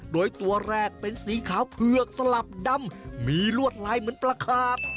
โดยตัวแรกเป็นสีขาวเผือกสลับดำมีลวดลายเหมือนประขาบ